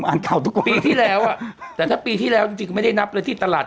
อ่านข่าวทุกวันปีที่แล้วอ่ะแต่ถ้าปีที่แล้วจริงจริงก็ไม่ได้นับเลยที่ตลาด